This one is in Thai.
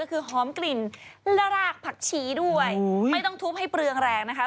คือหอมกลิ่นและรากผักชีด้วยไม่ต้องทุบให้เปลืองแรงนะคะ